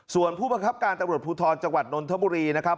ส่วนผู้บังคับการตำรวจภูทรจังหวัดนนทบุรีนะครับ